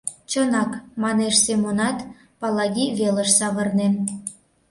— Чынак, — манеш Семонат, Палаги велыш савырнен.